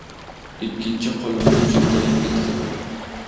ikkinchi qo‘limni cho‘ntagimga tiqib.